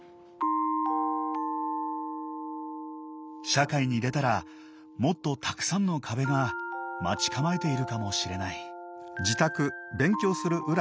社会に出たらもっとたくさんの壁が待ち構えているかもしれない。